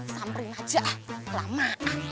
sampai aja lama